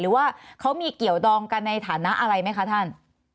หรือว่าเขามีเกี่ยวดองกันในฐานะอะไรไหมคะท่าน